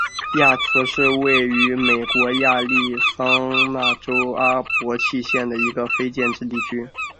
亚兹是位于美国亚利桑那州阿帕契县的一个非建制地区。